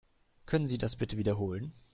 Können Sie das bitte wiederholen?